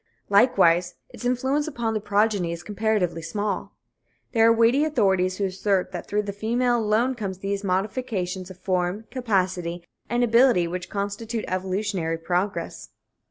Likewise, its influence upon the progeny is comparatively small. There are weighty authorities who assert that through the female alone comes those modifications of form, capacity and ability which constitute evolutionary progress.